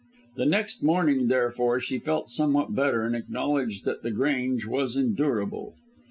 The next morning, therefore, she felt somewhat better and acknowledged that The Grange was endurable.